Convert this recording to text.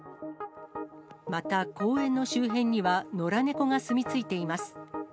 また、公園の周辺には野良猫が住み着いています。